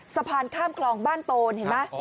สะพานข้ามคลองบ้านโตนเห็นไหม